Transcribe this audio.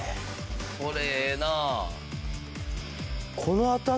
これええなあ。